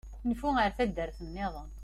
Nfu ar taddart-nniḍen.